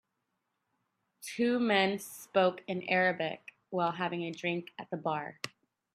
Two men spoke in Arabic while having a drink at the bar.